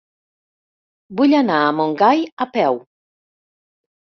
Vull anar a Montgai a peu.